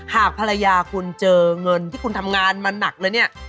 หากภรรยาคุณเจอเงินที่คุณทำงานมาหนักเลยเนี่ย